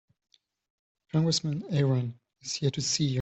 Congressman Aaron is here to see you.